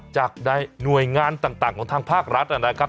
หน่วยงานต่างของทางภาครัฐนะครับ